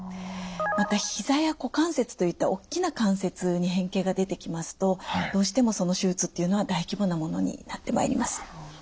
またひざや股関節といった大きな関節に変形が出てきますとどうしてもその手術っていうのは大規模なものになってまいります。